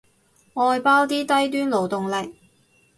外包啲低端勞動力